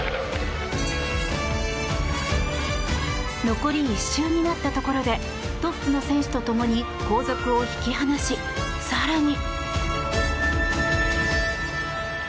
残り１周になったところでトップの選手とともに後続を引き離し、更に。